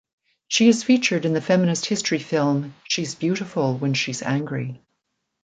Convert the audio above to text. She is featured in the feminist history film "She's Beautiful When She's Angry".